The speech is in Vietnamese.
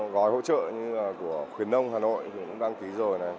gói hỗ trợ như là của khuyến nông hà nội cũng đăng ký rồi này